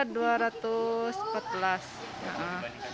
dibandingkan dua kilometer gimana